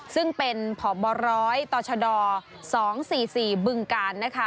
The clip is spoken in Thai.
ซึ่งเป็นผบรตชด๒๔๔บึงการนะคะ